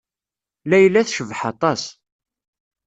Layla tecbeḥ aṭas.